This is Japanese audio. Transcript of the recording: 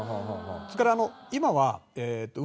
それから今は。